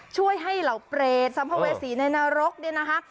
ช่วยให้เราเปรตสัมภเวศีในนรกดินะฮะ